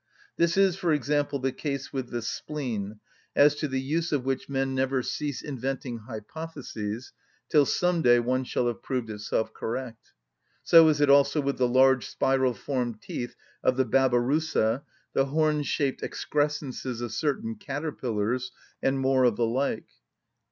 This is, for example, the case with the spleen, as to the use of which men never cease inventing hypotheses, till some day one shall have proved itself correct. So is it also with the large spiral‐ formed teeth of the babyroussa, the horn‐shaped excrescences of certain caterpillars, and more of the like.